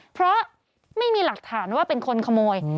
เพราะไม่มีหลักฐานว่าเป็นคนขโมย